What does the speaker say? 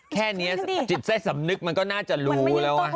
แค่นี้จิตใจสำนึกมันก็น่าจะรู้แล้ว